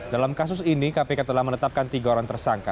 dalam kasus ini kpk telah menetapkan tiga orang tersangka